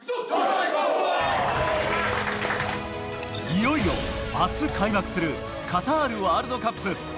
いよいよ、あす開幕するカタールワールドカップ。